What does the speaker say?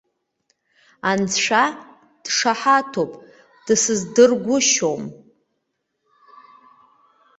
Анцәа дшаҳаҭуп, дсыздыргәышьом.